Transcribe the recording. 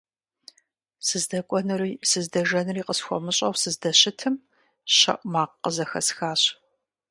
СыздэкӀуэнури сыздэжэнури къысхуэмыщӀэу сыздэщытым, щэӀу макъ къызэхэсхащ.